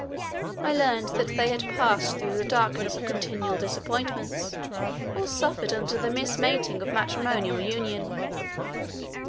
I learned that they had passed through the darkness of continual disappointments or suffered under the mis mating of matrimonial union.